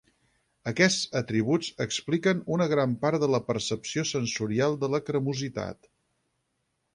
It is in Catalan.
Aquests atributs expliquen una gran part de la percepció sensorial de la cremositat.